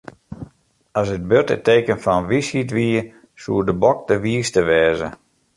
As it burd it teken fan wysheid wie, soe de bok de wiiste wêze.